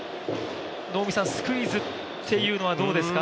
能見さん、スクイズというのはどうですか？